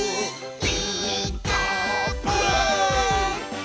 「ピーカーブ！」